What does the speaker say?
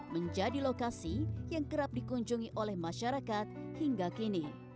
menjadi lokasi yang kerap dikunjungi oleh masyarakat hingga kini